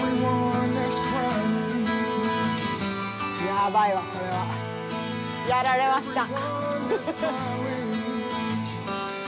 やばいわこれは。やられました。